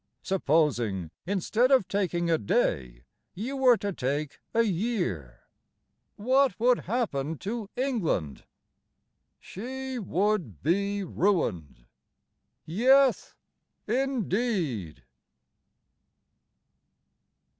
Supposing, instead of taking a day, You were to take a year, What would happen to England? SHE WOULD BE RUINED! Yeth, indeed.